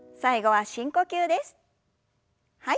はい。